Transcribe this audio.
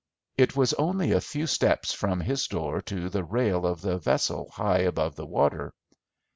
It was only a few steps from his door to the rail of the vessel high above the water.